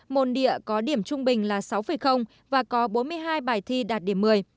môn địa có điểm trung bình là sáu và có bốn mươi hai bài thi đạt điểm một mươi